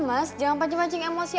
mas jangan pancing pancing emosi aku